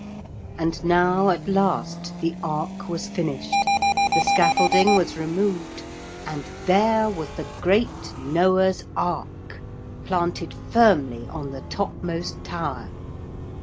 And now at last the ark was finished, the scaffolding was removed, and there was the great Noah's ark, firmly planted on the topmost tower.